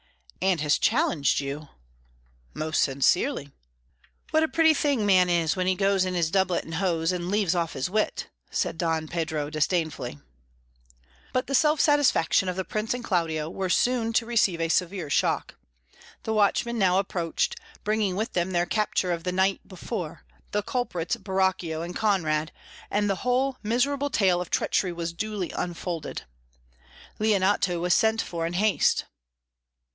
"And has challenged you." "Most sincerely." "What a pretty thing man is when he goes in his doublet and hose, and leaves off his wit!" said Don Pedro disdainfully. But the self satisfaction of the Prince and Claudio were soon to receive a severe shock. The watchmen now approached, bringing with them their capture of the night before, the culprits Borachio and Conrade, and the whole miserable tale of treachery was duly unfolded. Leonato was sent for in haste.